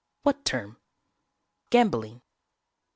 _" "What term?" "_Gambling.